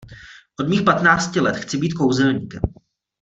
Od mých patnácti let chci být kouzelníkem.